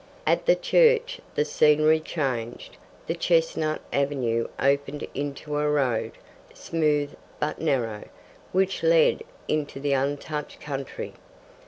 At the church the scenery changed. The chestnut avenue opened into a road, smooth but narrow, which led into the untouched country.